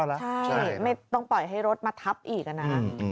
ใช่ไม่ต้องปล่อยให้รถมาทับอีกนะ